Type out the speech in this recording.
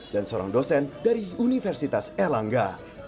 dan seorang dosen dari universitas elangga